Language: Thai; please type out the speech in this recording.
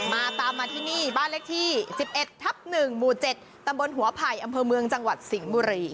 มาตามมาที่นี่บ้านเลขที่๑๑ทับ๑หมู่๗ตำบลหัวไผ่อำเภอเมืองจังหวัดสิงห์บุรี